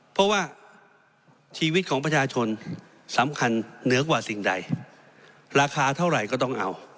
เพราะว่าชีวิตของประชาชนสำคัญเหนือกว่าสิ่งใดราคาเท่าไหร่ก็ต้องเอา